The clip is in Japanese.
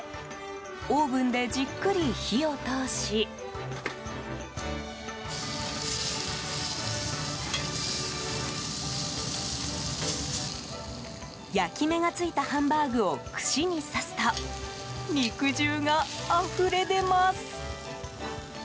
オーブンでじっくり火を通し焼き目がついたハンバーグを串に刺すと肉汁があふれ出ます。